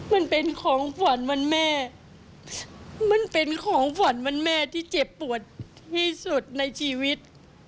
มันเป็นของขวัญวันแม่มันเป็นของขวัญวันแม่ที่เจ็บปวดที่สุดในชีวิต